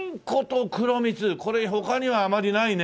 これ他にはあまりないね。